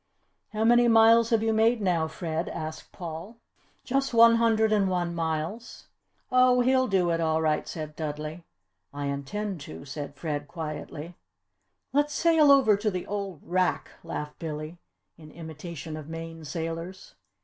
"How many miles have you made now, Fred?" asked Paul. "Just one hundred and one miles." "Oh, he'll do it all right," said Dudley. "I intend to," added Fred, quietly. "Let's sail over to the old 'wrack,'" laughed Billy, in imitation of Maine sailors.